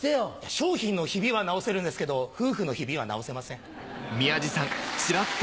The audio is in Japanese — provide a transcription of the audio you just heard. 商品のヒビは直せるんですけど夫婦のヒビは直せません。